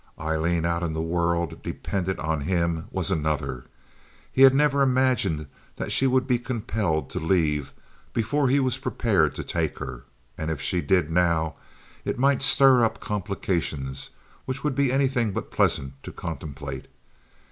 Aileen out in the world dependent on him was another. He had never imagined that she would be compelled to leave before he was prepared to take her; and if she did now, it might stir up complications which would be anything but pleasant to contemplate.